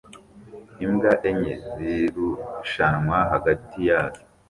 Imbwa enye zirushanwa hagati yazo